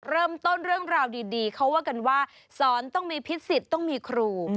เริ่มต้นเรื่องราวดีเขาว่ากันว่าสอนต้องมีพิสิทธิ์ต้องมีครู